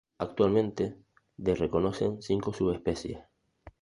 Actualmente de reconocen cinco subespecies.